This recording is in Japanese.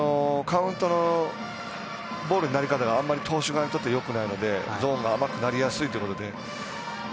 カウントのボールになり方があまり投手側にとって良くなくゾーンが甘くなりやすいということで。